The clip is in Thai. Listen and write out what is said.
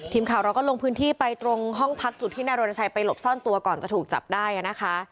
ทีมข่าวเราก็ลงพื้นที่ไปตรงห้องพักจุดที่นายรณชัยไปหลบซ่อนตัวก่อนจะถูกจับได้นะคะ